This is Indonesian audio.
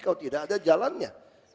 kalau tidak ada jalannya